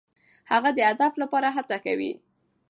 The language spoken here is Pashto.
هغه د هدف لپاره هڅه کوي.